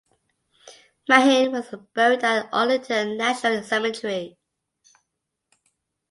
Mahin was buried at Arlington National Cemetery.